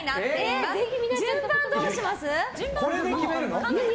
順番どうします？